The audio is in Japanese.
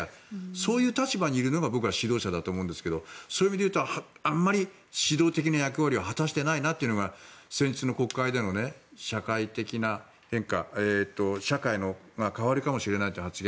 そういう立場にいるのが僕は指導者だと思うんですけどそれで言うと、あまり指導的な役割を果たしてないなというのが先日の国会での社会が変わるかもしれないという発言。